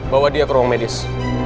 bawa dia ke ruang medis